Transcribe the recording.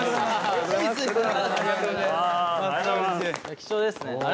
貴重ですね！